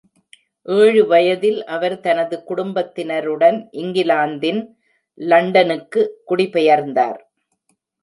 ஏழு வயதில், அவர் தனது குடும்பத்தினருடன் இங்கிலாந்தின் லண்டனுக்கு குடிபெயர்ந்தார்.